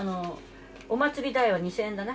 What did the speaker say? お祭り代は２０００円だね。